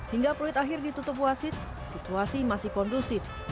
hingga peluit akhir ditutup wasit situasi masih kondusif